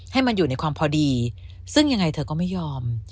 ให้มันอยู่ในความพอดีซึ่งยังไงเธอก็ไม่ยอม